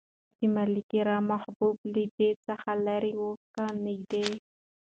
د ملکیار محبوب له ده څخه لرې و که نږدې؟